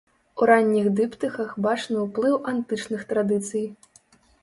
У ранніх дыптыхах бачны ўплыў антычных традыцый.